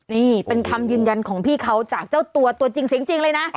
นี่เป็นคำยืนยันของพี่เขาจากเจ้าตัวตัวจริงเสียงจริงเลยนะ